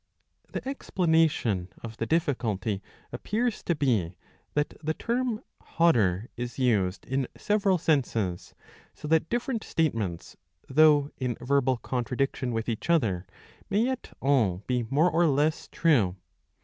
The explanation of the difficulty appears to be that the term " hotter " is used in several senses ; so that different statements, though in verbal contradiction with each other, may yet all be more or less true.